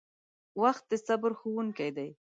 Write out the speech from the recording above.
• وخت د صبر ښوونکی دی.